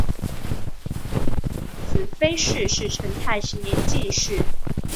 子裴栻是成泰十年进士。